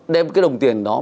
đem cái đồng tiền đó